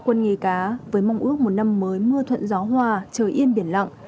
và các nghề cá với mong ước một năm mới mưa thuận gió hoa trời yên biển lặng